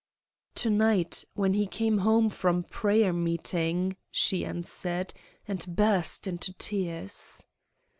"To night, when he came home from prayer meeting," she answered, and burst into tears.